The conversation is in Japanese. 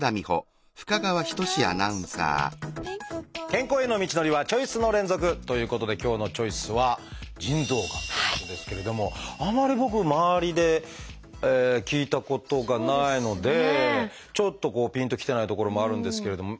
健康への道のりはチョイスの連続！ということで今日の「チョイス」はあまり僕周りで聞いたことがないのでちょっとこうぴんときてないところもあるんですけれども。